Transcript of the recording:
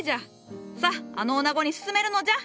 さああのおなごに薦めるのじゃ！